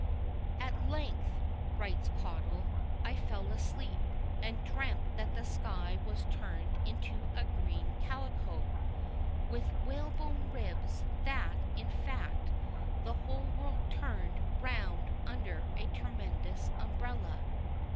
"At length," writes Caudle, "I fell asleep; and dreamt that the sky was turned into green calico, with whalebone ribs; that, in fact, the whole world turned round under a tremendous umbrella!"